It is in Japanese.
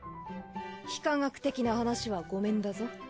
非科学的な話はごめんだぞ。